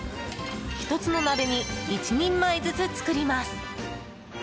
１つの鍋に１人前ずつ作ります。